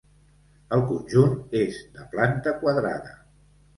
El conjunt és de planta quadrada.